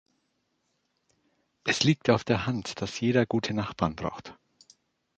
Es liegt auf der Hand, dass jeder gute Nachbarn braucht.